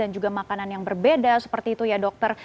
juga makanan yang berbeda seperti itu ya dokter